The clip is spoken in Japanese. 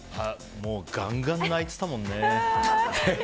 ガンガン泣いてたもんね。